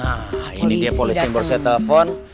nah ini dia polisi yang borset telepon